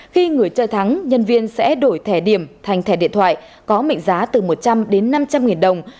khi người chơi thắng nhân viên sẽ đổi thẻ điểm thành thẻ điện thoại có mệnh giá từ một trăm linh đến năm trăm linh nghìn đồng